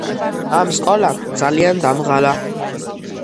ამ სკოლამ ძალიან დამღალა